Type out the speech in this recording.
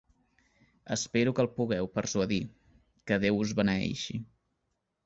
Espero que el pugueu persuadir. Que Déu us beneeixi.